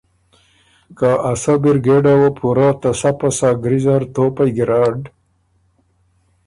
که ا سۀ برګېډه وه پُورۀ ته سَۀ پسۀ ګری زر توپئ ګیرډ